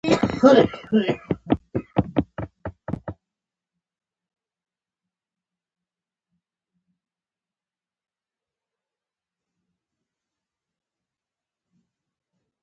زړونه کاږي له کوګله.